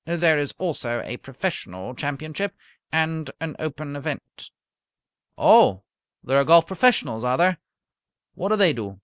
There is also a Professional Championship, and an Open event." "Oh, there are golf professionals, are there? What do they do?"